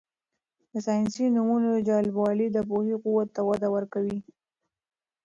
د ساینسي نومونو جالبوالی د پوهې قوت ته وده ورکوي.